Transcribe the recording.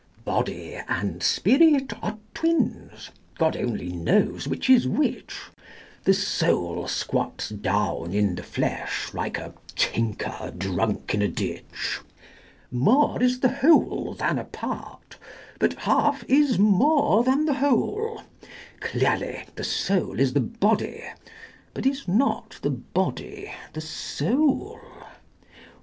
Body and spirit are twins: God only knows which is which: The soul squats down in the flesh, like a tinker drunk in a ditch. More is the whole than a part: but half is more than the whole: Clearly, the soul is the body: but is not the body the soul?